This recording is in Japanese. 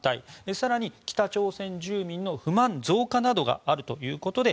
更に、北朝鮮住民の不満増加などがあるということで